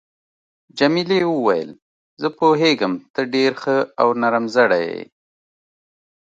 جميلې وويل: زه پوهیږم ته ډېر ښه او نرم زړی یې.